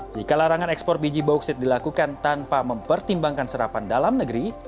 jika larangan ekspor biji bauksit dilakukan tanpa mempertimbangkan serapan dalam negeri